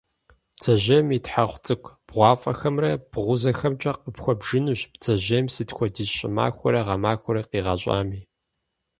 Бдзэжьейм и тхьэгъу цӏыкӏу бгъуафӏэхэмрэ, бгъузэхэмкӏэ къыпхуэбжынущ бдзэжьейм сыт хуэдиз щӏымахуэрэ гъэмахуэрэ къигъэщӏами.